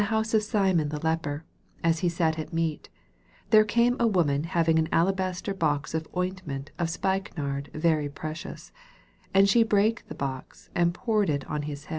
house of Simon the leper, as he sat at meat, there came a woman having an alabaster box of ointment of spike nard very precious ; and she brake the box, and poured it on his head.